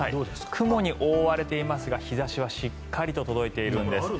雲に覆われていますが日差しはしっかりと届いているんです。